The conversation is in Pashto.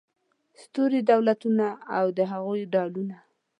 ستوري دولتونه او د هغوی ډولونه